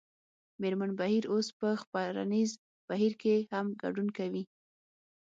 مېرمن بهیر اوس په خپرنیز بهیر کې هم ګډون کوي